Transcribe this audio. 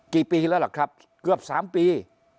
กี่ปีแล้วล่ะครับเกือบ๓ปี